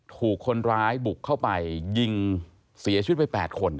ถูกคนร้ายบุกเข้าไปยิงเสียชีวิตไป๘คน